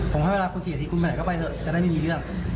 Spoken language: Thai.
ผมให้เวลาคุณ๔นาทีคุณไปไหนก็ไปเถอะจะได้ไม่มีเรื่อง